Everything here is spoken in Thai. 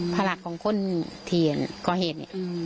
ภาระของคนที่เห็น